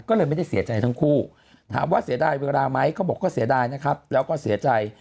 ก็เลยไม่ได้เสียใจทั้งคู่ถามว่าเสียดายเวลาไหมเขาบอกเขาเสียดายนะครับแล้วก็เสียใจ